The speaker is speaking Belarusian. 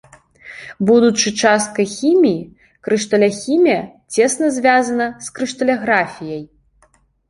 Будучы часткай хіміі, крышталяхімія цесна звязана з крышталяграфіяй.